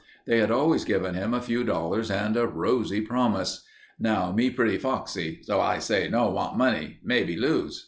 They had always given him a few dollars and a rosy promise. "Now me pretty foxy. So I say, 'no want money. Maybe lose.